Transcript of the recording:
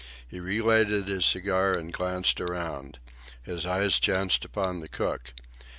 He relighted his cigar and glanced around. His eyes chanced upon the cook.